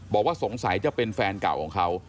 บอกว่าสงสัยจะเป็นแฟนเก่าของเขา